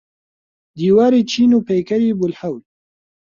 دیواری چین و پەیکەری بولهەول.